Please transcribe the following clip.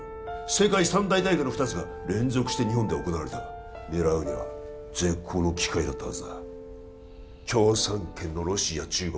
世界三大大会の二つが連続して日本で行われた狙うには絶好の機会だったはずだ共産圏のロシア中国